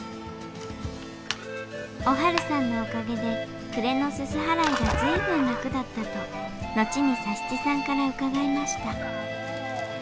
おはるさんのおかげで暮れの煤払いが随分楽だったと後に佐七さんから伺いました。